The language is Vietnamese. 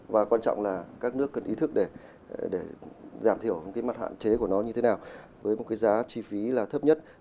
và quan trọng là các nước cần ý thức để giảm thiểu những cái mặt hạn chế của nó như thế nào với một cái giá chi phí là thấp nhất